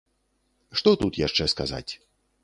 Што тут яшчэ сказаць?